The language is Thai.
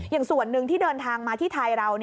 อย่างส่วนหนึ่งที่เดินทางมาที่ไทยเรา